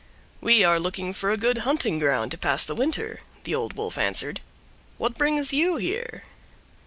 "We are looking for a good hunting ground to pass the winter," the Old Wolf answered. "What brings you here?"